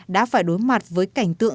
đã phải đối mặt với cảnh tượng xót thương